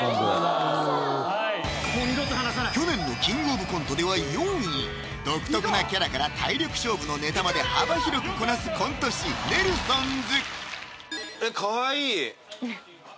はい去年の「キングオブコント」では４位独特なキャラから体力勝負のネタまで幅広くこなすコント師「ネルソンズ」